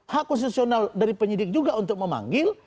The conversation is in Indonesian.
hak konstitusional dari penyidik juga untuk memanggil